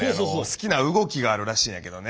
好きな動きがあるらしいんやけどね。